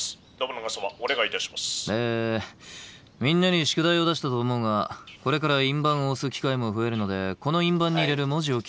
みんなに宿題を出したと思うがこれから印判を押す機会も増えるのでこの印判に入れる文字を決めたい。